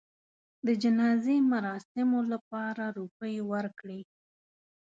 د جنازې مراسمو لپاره روپۍ ورکړې.